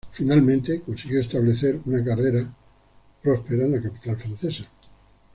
Finalmente consiguió establecer una carrera próspera en la capital francesa.